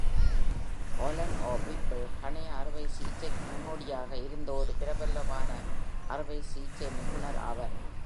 Alan O. Whipple கணைய அறுவை சிகிச்சைக்கு முன்னோடியாக இருந்த ஒரு பிரபலமான அறுவை சிகிச்சை நிபுணர் ஆவார்.